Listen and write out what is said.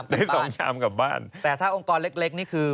ได้สองชามกลับบ้านแต่ถ้าองค์กรเล็กนี่คือ